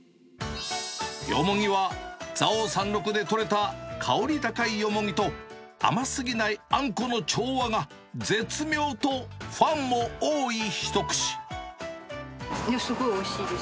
よもぎは、蔵王山麓で取れた香り高いよもぎと、甘すぎないあんこの調和が、すごいおいしいです。